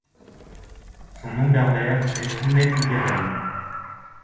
Son nom berbère est Imetgheren.